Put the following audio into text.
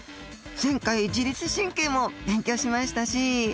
前回自律神経も勉強しましたし。